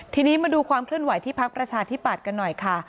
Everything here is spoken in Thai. ทีนี้มาดูความเคลื่อนไหวที่พักประชาธิปัตย์กันหน่อยค่ะ